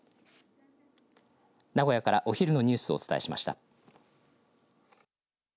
名古屋からお昼のニュースをお伝えしました。